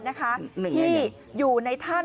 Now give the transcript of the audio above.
นะคะที่อยู่ในท่าน